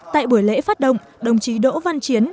tại buổi lễ phát động đồng chí đỗ văn chiến